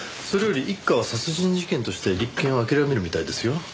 それより一課は殺人事件としての立件を諦めるみたいですよ。